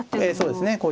ええそうですね